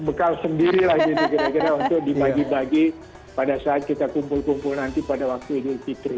bekal sendiri lah gitu kira kira untuk dibagi bagi pada saat kita kumpul kumpul nanti pada waktu idul fitri